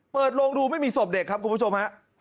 โลงดูไม่มีศพเด็กครับคุณผู้ชมฮะ